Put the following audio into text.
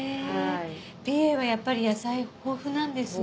美瑛はやっぱり野菜豊富なんですね。